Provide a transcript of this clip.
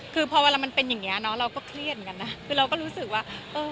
คือพอเวลามันเป็นอย่างเงี้เนอะเราก็เครียดเหมือนกันนะคือเราก็รู้สึกว่าเออ